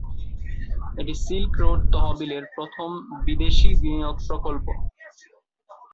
এটি silk road তহবিলের প্রথম বিদেশী বিনিয়োগ প্রকল্প।